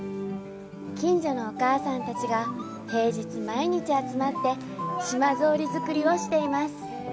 近所のお母さんたちが平日、毎日集まって島ぞうり作りをしています。